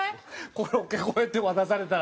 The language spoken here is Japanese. コロッケこうやって渡されたら。